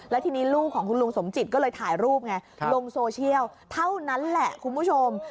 แล้วทีนี้ลูกของคุณลุงสมจิตก็เลยถ่ายรูปไงลงโซเชียลเท่านั้นแหละคุณผู้ชม